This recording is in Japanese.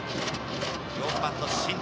４番の新谷。